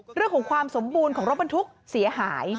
ประบูนของรบบรรทุกเสียหาย